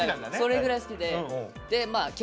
それぐらい好きで。